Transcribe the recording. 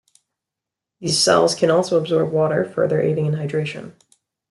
These cells can also absorb water, further aiding in hydration.